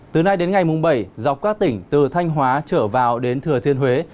từ nay đến ngày mùng bảy dọc các tỉnh từ thanh hóa trở vào đến thừa thiên huế